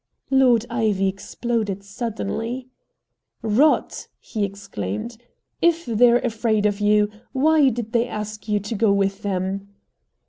Lord Ivy exploded suddenly. "Rot!" he exclaimed. "If they're afraid of you, why did they ask you to go with them?"